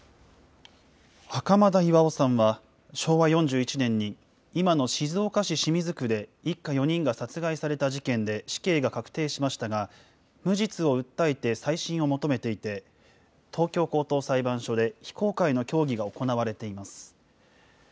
袴田巌さんは昭和４１年に、今の静岡市清水区で一家４人が殺害された事件で死刑が確定しましたが、無実を訴えて再審を求めていて、東京高等裁判所で非公開の協議が行われています。